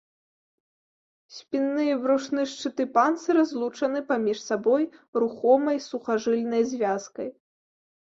Спінны і брушны шчыты панцыра злучаны паміж сабой рухомай сухажыльнай звязкай.